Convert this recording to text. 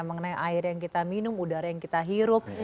mengenai air yang kita minum udara yang kita hirup